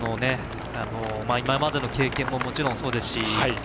今までの経験ももちろんそうですし。